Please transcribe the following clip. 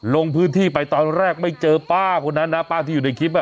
ลงพื้นที่ไปตอนแรกไม่เจอป้าคนนั้นนะป้าที่อยู่ในคลิป